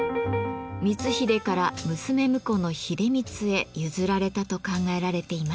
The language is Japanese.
光秀から娘婿の秀満へ譲られたと考えられています。